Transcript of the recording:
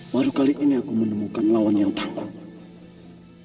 baru kali ini aku menemukan lawan yang tangkap